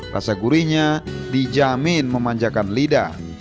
rasa gurihnya dijamin memanjakan lidah